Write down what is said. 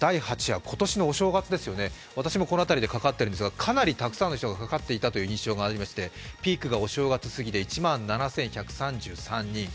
今年のお正月、私もこの辺りでかかっているんですが、かなりたくさんの人がかかっていたという印象がありまして、ピークがお正月過ぎで１万７１３３人。